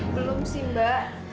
belum sih mbak